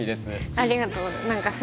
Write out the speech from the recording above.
ありがとうございます。